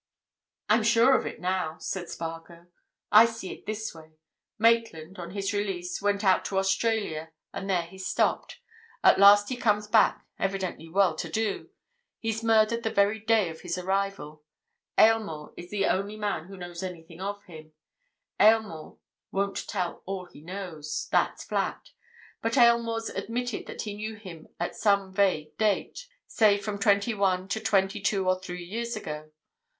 "I'm sure of it, now," said Spargo. "I see it in this way. Maitland, on his release, went out to Australia, and there he stopped. At last he comes back, evidently well to do. He's murdered the very day of his arrival. Aylmore is the only man who knows anything of him—Aylmore won't tell all he knows; that's flat. But Aylmore's admitted that he knew him at some vague date, say from twenty one to twenty two or three years ago.